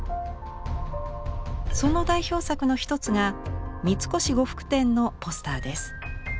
その代表作の一つが三越呉服店のポスターです。